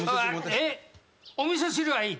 えっ？お味噌汁はいい。